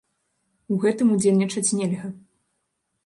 У гэтым удзельнічаць нельга.